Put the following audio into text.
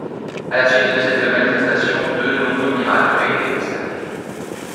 À la suite de cette manifestation, de nombreux miracles auraient été constatés.